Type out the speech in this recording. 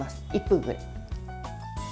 １分ぐらい。